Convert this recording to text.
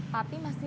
papi masih tidur